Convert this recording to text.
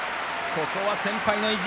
ここは先輩の意地。